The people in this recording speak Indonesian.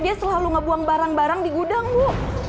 dia selalu ngebuang barang barang di gudang bu